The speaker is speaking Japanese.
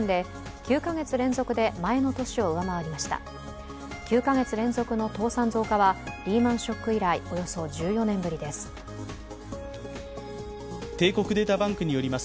９か月連続の倒産増加はリーマン・ショック以来、およそ１４年ぶりです。